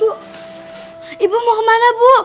ibu ibu mau kemana bu